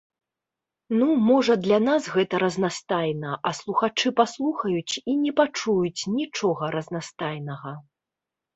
Ну, можа, для нас гэта разнастайна, а слухачы паслухаюць і не пачуюць нічога разнастайнага.